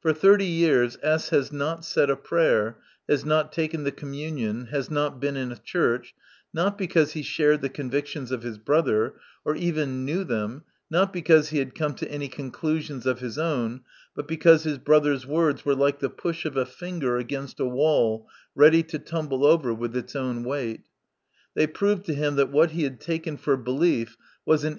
For thirty years S has not said a prayer, has not taken the communion, has not been in a church, not because he shared the convictions of his brother, or even knew them, not because he had come to any conclusions of his own, but because his brother's words were like the push of a finger against a wall ready to tumble over with its own weight ; they proved to him that what he had taken for belief was an 6 MY CONFESSION.